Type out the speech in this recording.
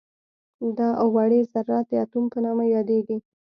دا وړې ذرات د اتوم په نامه یادیږي.